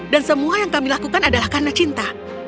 dan semua yang kami lakukan adalah karena cinta